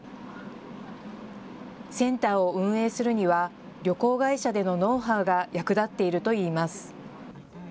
センターを運営するには旅行会社でのノウハウが役立っているといいます。